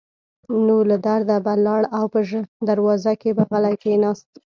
نو له درده به لاړ او په دروازه کې به غلی کېناست.